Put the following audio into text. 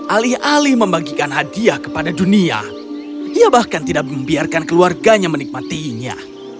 alih alih membagikan hadiah kepada dunia ia bahkan tidak membiarkan keluarganya menikmatinya